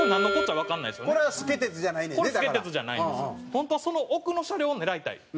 本当はその奥の車両を狙いたい。